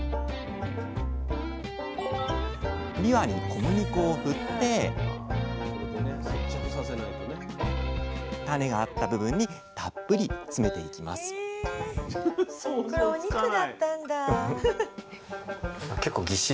びわに小麦粉をふって種があった部分にたっぷり詰めていきますさあさあ